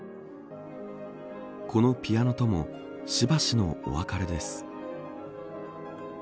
このピアノともしばしのお別れです。